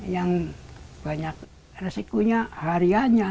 yang banyak resikonya harianya